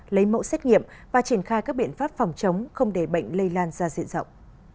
lấy mẫu xét nghiệm và triển khai các biện pháp phòng chống không để bệnh lây lan ra diện rộng